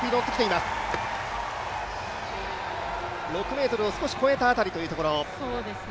６ｍを少し超えた辺りというところ。